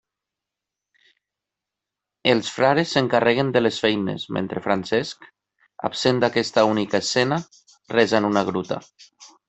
Els frares s'encarreguen de les feines mentre Francesc, absent d'aquesta única escena, resa en una gruta.